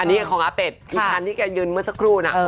อันนี้ของอาเบทอีกทั้งที่เคยยืนเมื่อสักครู่